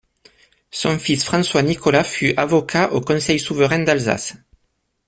Son fils François Nicolas fut avocat au Conseil souverain d'Alsace.